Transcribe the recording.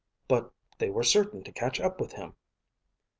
"But they were certain to catch up with him!"